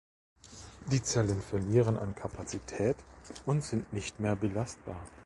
Die Zellen verlieren an Kapazität und sind nicht mehr belastbar.